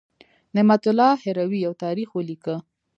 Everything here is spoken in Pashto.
نعمت الله هروي یو تاریخ ولیکه.